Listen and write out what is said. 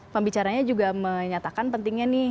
pembicaranya juga menyatakan pentingnya nih